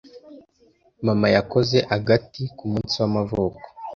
Mama yakoze agati kumunsi w'amavuko.